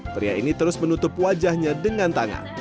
pria ini terus menutup wajahnya dengan tangan